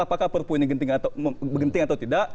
apakah perpu ini genting atau tidak